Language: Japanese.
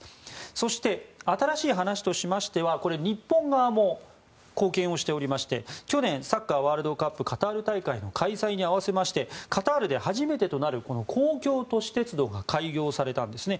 そして、新しい話としましては日本側も貢献をしておりまして去年、サッカーワールドカップカタール大会の開催に合わせてカタールで初めてとなる公共都市鉄道が開業されたんですね。